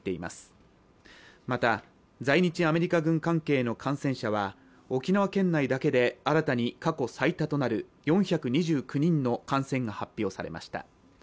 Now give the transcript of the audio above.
また、在日アメリカ軍関係の感染者は沖縄県内だけで新たに過去最多となる４２９人の感染が発表されました。